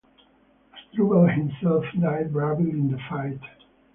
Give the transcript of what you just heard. Hasdrubal himself died bravely in the fight.